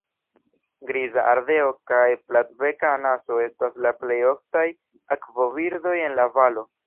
Griza ardeo kaj platbeka anaso estas la plej oftaj akvobirdoj en la valo.